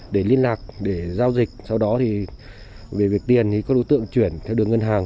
để liên lạc để giao dịch sau đó thì về việc tiền thì các đối tượng chuyển theo đường ngân hàng